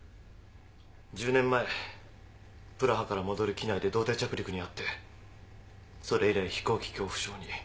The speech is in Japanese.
１０年前プラハから戻る機内で胴体着陸に遭ってそれ以来飛行機恐怖症に。